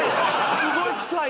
「すごい臭い」